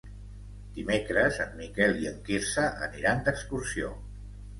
Dimecres en Miquel i en Quirze aniran d'excursió.